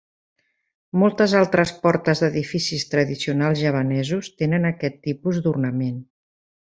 Moltes altres portes d'edificis tradicionals javanesos tenen aquest tipus d'ornament.